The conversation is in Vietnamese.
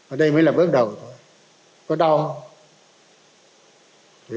ở đây mới là bước đầu thôi có đau